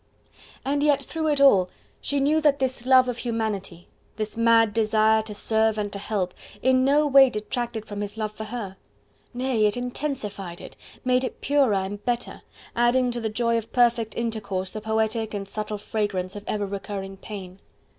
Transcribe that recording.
And yet through it all she knew that this love of humanity, this mad desire to serve and to help, in no way detracted from his love for her. Nay, it intensified it, made it purer and better, adding to the joy of perfect intercourse the poetic and subtle fragrance of ever recurring pain.